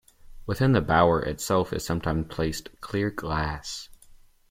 Within the bower itself is sometimes placed clear glass.